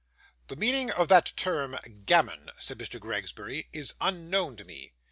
'The meaning of that term gammon,' said Mr. Gregsbury, 'is unknown to me.